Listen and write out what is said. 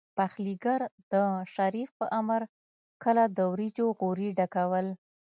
پخليګر د شريف په امر کله د وريجو غوري ډکول.